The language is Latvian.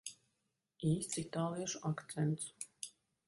Īsts itāliešu akcents.